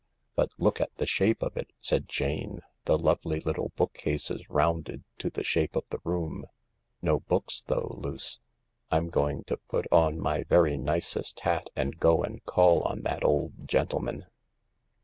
" But look at the shape of it," said Jane ;" the lovely little book cases rounded to the shape of the room — no books though, Luce. I'm going to put on my very nicest hat and go and call on that old gentleman."